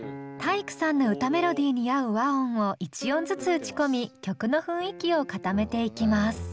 体育さんの歌メロディーに合う和音を１音ずつ打ち込み曲の雰囲気を固めていきます。